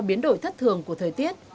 biến đổi thất thường của thời tiết